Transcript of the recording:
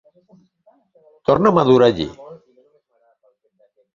Torna'm a dur allí.